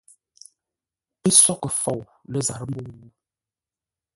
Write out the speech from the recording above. Pə́ sóghʼə fou lə́ zarə́ mbə̂u ?